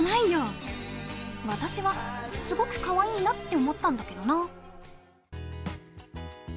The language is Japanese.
私はすごくかわいいなって思ったんだけどな。